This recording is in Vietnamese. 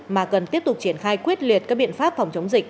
mà cần tiếp tục triển khai quyết liệt các biện pháp phòng chống dịch